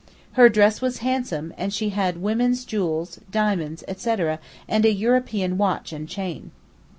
Her dress was handsome, and she had women's jewels, diamonds, etc., and a European watch and chain.